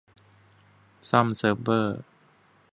ซ่อมเซิร์ฟเวอร์